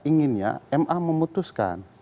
ingin ya ma memutuskan